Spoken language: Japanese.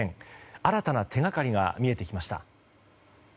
新たな手掛かりが見えてきました。